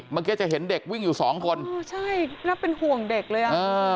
มันก็จะเห็นเด็กวิ่งอยู่สองคนใช่น่าเป็นห่วงเด็กเลย